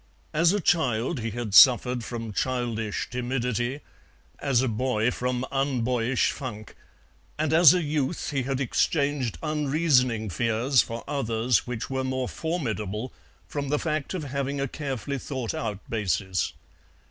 As a child he had suffered from childish timidity, as a boy from unboyish funk, and as a youth he had exchanged unreasoning fears for others which were more formidable from the fact of having a carefully thought out basis.